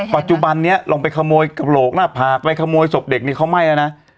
ปัจจุบันนี้ลองไปขโมยกระโหลกหน้าผากไปขโมยศพเด็กนี่เขาไหม้แล้วนะ